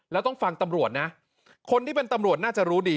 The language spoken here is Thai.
แล้วต้องฟังตำรวจนะคนที่เป็นตำรวจน่าจะรู้ดี